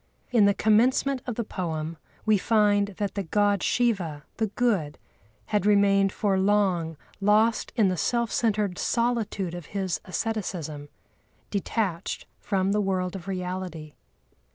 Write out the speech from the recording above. In the commencement of the poem we find that the God Shiva, the Good, had remained for long lost in the self centred solitude of his asceticism, detached from the world of reality.